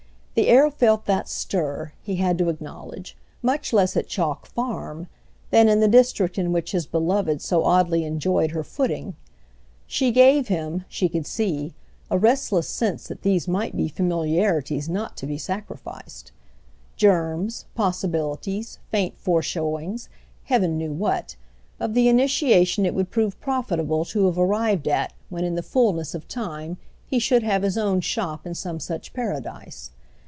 The air felt that stir, he had to acknowledge, much less at Chalk Farm than in the district in which his beloved so oddly enjoyed her footing. She gave him, she could see, a restless sense that these might be familiarities not to be sacrificed; germs, possibilities, faint foreshowings—heaven knew what—of the initiation it would prove profitable to have arrived at when in the fulness of time he should have his own shop in some such paradise.